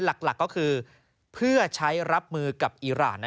หลักก็คือเพื่อใช้รับมือกับอิราณ